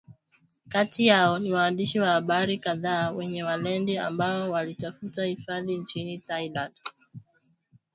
Kati yao ni waandishi wa habari kadhaa wenye weledi ambao walitafuta hifadhi nchini Thailand